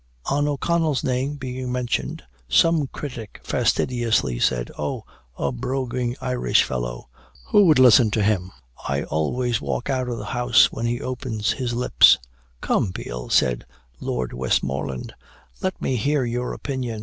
On O'Connell's name being mentioned, some critic fastidiously said, "Oh, a broguing Irish fellow! who would listen to him? I always walk out of the House when he opens his lips," "Come, Peel," said Lord Westmoreland, "let me hear your opinion."